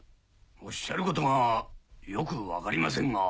おっしゃることがよく分かりませんが。